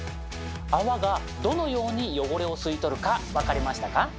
泡がどのように汚れを吸い取るか分かりましたか？